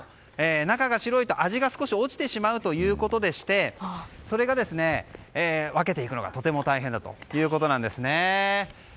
中が白いと、味が少し落ちてしまうということでそれを分けていくのがとても大変だということですね。